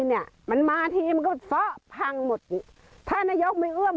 เนี้ยมันมาทีมันก็ซ้อพังหมดถ้านายกไม่เอื้อม